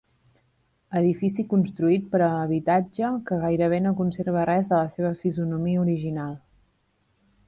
Edifici construït per a habitatge, que gairebé no conserva res de la seva fisonomia original.